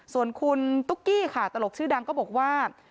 ส่วนคุณตุ๊กกี้ค่ะตลกชื่อดังก็บอกว่า